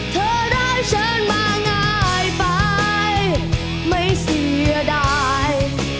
เธอรักฉันมาง่ายไปไม่เสียดาย